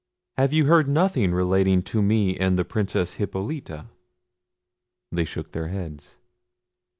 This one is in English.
Have you heard nothing relating to me and the Princess Hippolita?" They shook their heads.